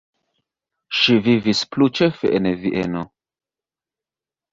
Ŝi vivis plu ĉefe en Vieno.